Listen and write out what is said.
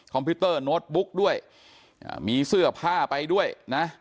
พิวเตอร์โน้ตบุ๊กด้วยมีเสื้อผ้าไปด้วยนะ